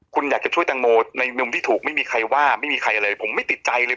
คุณอยากจะช่วยแตงโมในมุมที่ถูกไม่มีใครว่าไม่มีใครอะไรผมไม่ติดใจเลย